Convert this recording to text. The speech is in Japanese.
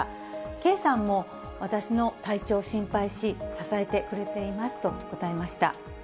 圭さんも、私の体調を心配し、支えてくれていますと答えました。